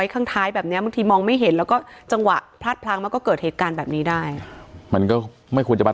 คนที่การส่งข้อความว่า